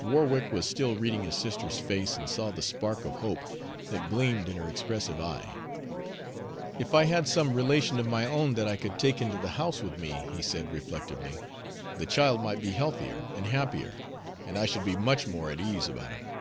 Warwick was still reading his sister's face, and saw the spark of hope that gleamed in her expressive eye. "If I had some relation of my own that I could take into the house with me," he said reflectively, "the child might be healthier and happier, and I should be much more at ease about him."